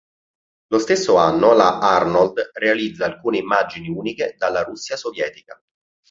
Lo stesso anno la Arnold realizza alcune immagini uniche dalla Russia Sovietica.